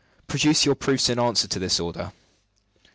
"Produce your proofs in answer to this order."